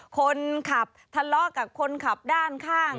คนขับทะเลาะกับคนขับด้านข้าง